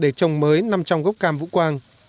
để trồng mới nằm trong gốc cam vũ quang